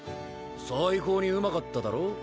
最高にうまかっただろ？